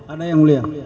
ada yang mulia